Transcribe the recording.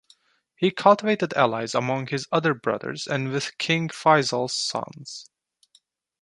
He cultivated allies among his other brothers and with King Faisal's sons.